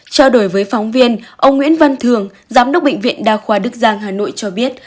trao đổi với phóng viên ông nguyễn văn thường giám đốc bệnh viện đa khoa đức giang hà nội cho biết